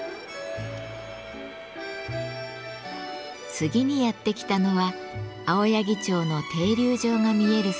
次にやって来たのは青柳町の停留場が見えるスポットです。